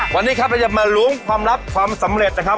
วันนี้ครับเราจะมาล้วงความลับความสำเร็จนะครับ